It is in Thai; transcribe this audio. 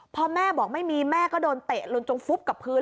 พอแม่บอกไม่มีแม่ก็โดนเตะลุนจงฟุบกับพื้น